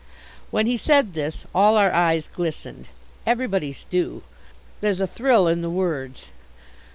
When he said this all our eyes glistened. Everybody's do. There's a thrill in the words.